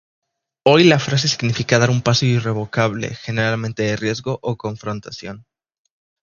Hoy la frase significa dar un paso irrevocable, generalmente de riesgo o confrontación.